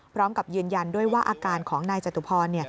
พร้อมกับยืนยันด้วยว่าอาการของนายจตุพร